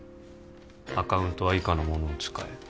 「アカウントは以下のものを使え」